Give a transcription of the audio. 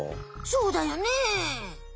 そうだよね。